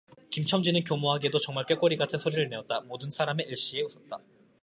김첨지는 교묘하게도 정말 꾀꼬리 같은 소리를 내었다. 모든 사람은 일시에 웃었다.